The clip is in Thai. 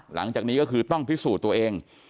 หลังจากนี้ก็คือต้องพิสูจน์ตัวเอง